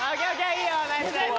いいよナイスナイス。